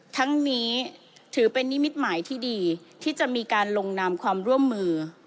ทั้งนี้ถือเป็นนิมิตหมายที่ดีที่จะมีการลงนามความร่วมมือ